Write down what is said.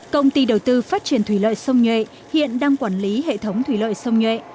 công ty đầu tư phát triển thủy lợi sông nhuệ hiện đang quản lý hệ thống thủy lợi sông nhuệ